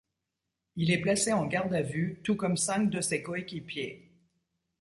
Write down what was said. Il est placé en garde à vue, tout comme cinq de ses coéquipiers.